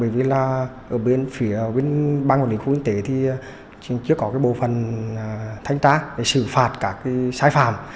khu kinh tế thì chỉ có bộ phần thanh trác để xử phạt các sai phạm